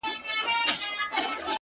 هغه به چاسره خبري کوي ـ